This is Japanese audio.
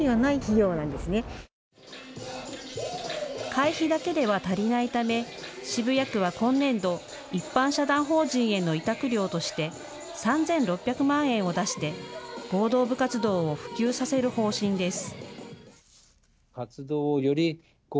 会費だけでは足りないため渋谷区は今年度、一般社団法人への委託料として３６００万円を出して合同部活動を普及させる方針です。